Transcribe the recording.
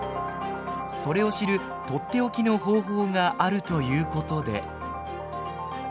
それを知るとっておきの方法があるということで。